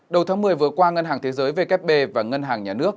đầu tháng một mươi vừa qua ngân hàng thế giới vkp và ngân hàng nhà nước